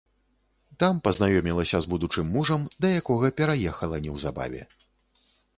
Там пазнаёмілася з будучым мужам, да якога пераехала неўзабаве.